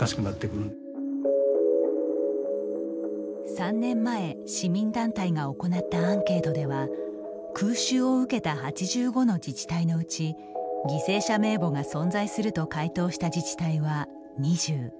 ３年前、市民団体が行ったアンケー卜では空襲を受けた８５の自治体のうち犠牲者名簿が存在すると回答した自治体は２０。